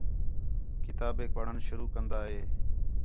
کتابیک پڑھݨ شروع کندا ہِے